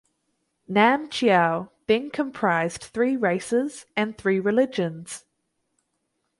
Nam Chiao then comprised three races and three religions.